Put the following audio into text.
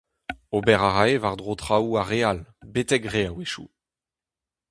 Ober a rae war-dro traoù ar re all, betek re a-wechoù.